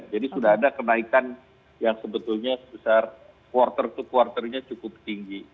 jadi sudah ada kenaikan yang sebetulnya sebesar quarter to quarter nya cukup tinggi